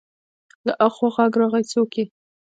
له اخوا غږ راغی: څوک يې؟